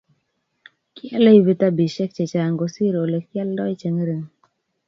kiale vitabishek chechang kosir ole kialdai che ngering